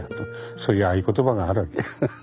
そういう合言葉があるわけ。